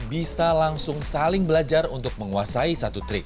bisa langsung saling belajar untuk menguasai satu trik